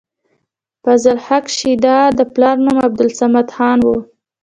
فضل حق شېدا د پلار نوم عبدالصمد خان وۀ